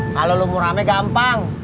kalo lo murah me gampang